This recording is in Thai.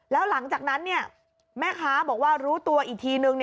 แล้วหลังจากนั้นแม่ค้าบอกว่ารู้ตัวอีกทีนึง